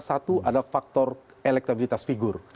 satu ada faktor elektabilitas figur